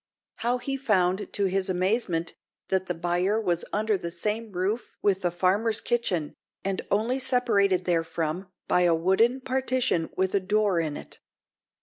How he found to his amazement that the byre was under the same roof with the farmer's kitchen, and only separated therefrom by a wooden partition with a door in it.